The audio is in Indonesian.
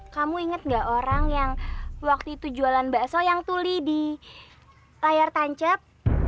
kamu inget gak orang yang waktu itu jualan bakso yang tuli di layar tancap